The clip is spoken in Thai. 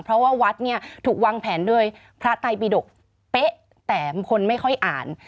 เพราะว่าวัดเนี่ยถูกวางแผนด้วยพระไตบิดกเป๊ะแต่คนไม่ค่อยอ่าน